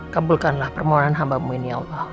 kabulkanlah permohonan hambamu ini ya allah